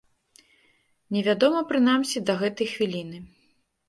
Невядома, прынамсі, да гэтай хвіліны.